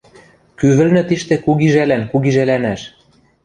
Кӱ вӹлнӹ тиштӹ кугижӓлӓн кугижӓлӓнӓш?